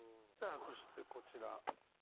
さあそしてこちら。